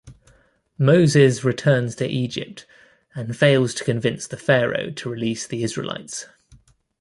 Moses returns to Egypt and fails to convince the Pharaoh to release the Israelites.